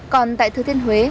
còn tại thứ thiên huế